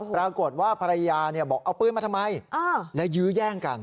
ปรากฏว่าภรรยาบอกเอาปืนมาทำไมแล้วยื้อแย่งกัน